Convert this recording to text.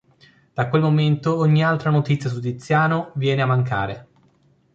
Da quel momento ogni altra notizia su Tiziano viene a mancare.